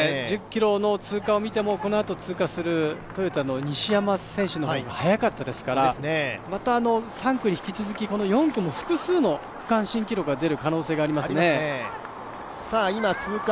１０ｋｍの通過を見てもトヨタの西山選手の方が速かったですから３区に引き続き、４区も複数の区間新記録が出る可能性がありますね。